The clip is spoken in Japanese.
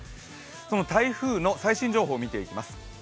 その台風の最新情報を見ていきます。